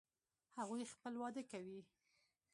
هغوی خپل واده کوي